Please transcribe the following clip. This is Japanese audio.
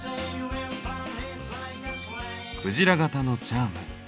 クジラ型のチャーム。